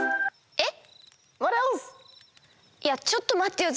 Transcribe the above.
えっ？